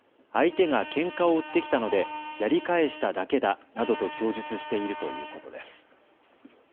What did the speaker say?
相手がけんかを売ってきたのでやり返しただけだなどと供述しているということです。